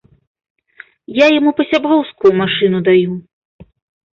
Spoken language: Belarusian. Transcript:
Я яму па-сяброўску машыну даю.